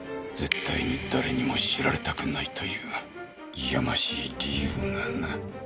絶対に誰にも知られたくないというやましい理由がな。